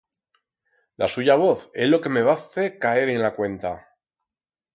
La suya voz é lo que me va fer caer en la cuenta.